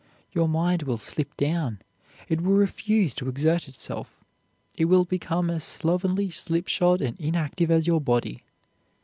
Your mind will slip down; it will refuse to exert itself; it will become as slovenly, slipshod, and inactive as your body.